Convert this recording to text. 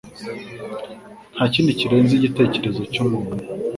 Ntakindi kirenze igitekerezo cyumuntu.